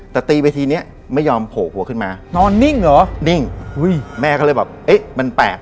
แต่ตีไปทีเนี้ยไม่ยอมโผล่หัวขึ้นมานอนนิ่งเหรอนิ่งอุ้ยแม่ก็เลยแบบเอ๊ะมันแปลก